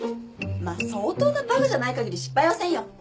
まあ相当なバカじゃない限り失敗はせんよ。